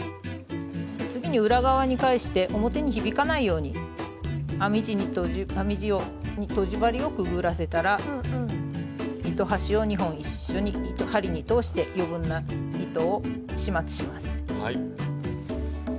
次に裏側に返して表に響かないように編み地にとじ針をくぐらせたら糸端を２本一緒に針に通して余分な糸を始末します。